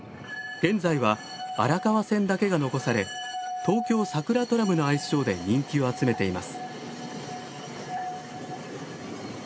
現在は荒川線だけが残され東京さくらトラムの愛称で人気を集めています。